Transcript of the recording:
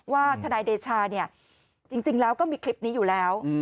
ทนายเดชาเนี่ยจริงแล้วก็มีคลิปนี้อยู่แล้ว